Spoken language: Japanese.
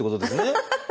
ハハハハ！